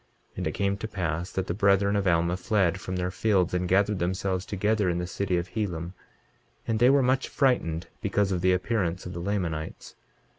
23:26 Now it came to pass that the brethren of Alma fled from their fields, and gathered themselves together in the city of Helam; and they were much frightened because of the appearance of the Lamanites.